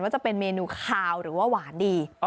จะเป็นเมนูคาวหรือว่าหวานดี